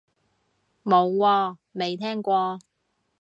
冇喎，未聽過